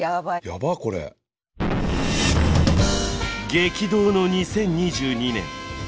激動の２０２２年。